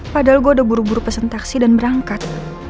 padahal gue udah buru buru pesan taksi dan berangkat